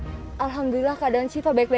jadi kita nggak akan metong pes abcs